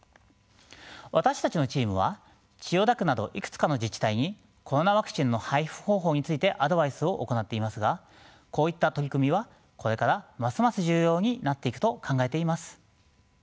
私たちのチームは千代田区などいくつかの自治体にコロナワクチンの配布方法についてアドバイスを行っていますがこういった取り組みはこれからますます重要になっていくと考えています。